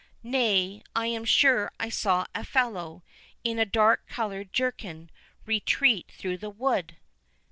—Nay, I am sure I saw a fellow, in a dark coloured jerkin, retreat through the wood."